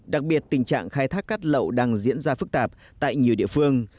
đặc biệt tình trạng khai thác cát lậu đang diễn ra phức tạp tại nhiều địa phương